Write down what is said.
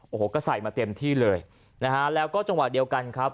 โอ้โหก็ใส่มาเต็มที่เลยนะฮะแล้วก็จังหวะเดียวกันครับ